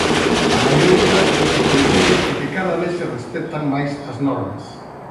A maioría coincide en que cada vez se respectan máis as normas.